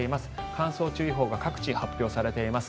乾燥注意報が各地発表されています。